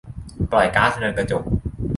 ปล่อยก๊าซเรือนกระจก